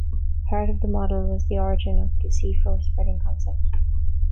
Part of the model was the origin of the seafloor spreading concept.